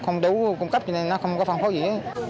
không đủ cung cấp cho nên nó không có phong phố dị